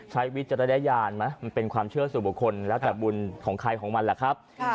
วิจารณญาณไหมมันเป็นความเชื่อสู่บุคคลแล้วแต่บุญของใครของมันแหละครับ